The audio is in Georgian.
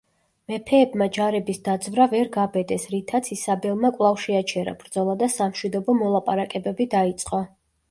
მეფეებმა ჯარების დაძვრა ვერ გაბედეს, რითაც ისაბელმა კვლავ შეაჩერა ბრძოლა და სამშვიდობო მოლაპარაკებები დაიწყო.